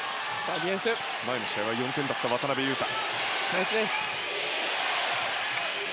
前の試合は４点だった渡邊雄太。